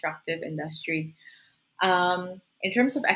apakah industri yang menarik